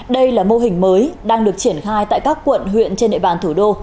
đây là mô hình mới đang được triển khai tại các quận huyện trên địa bàn thủ đô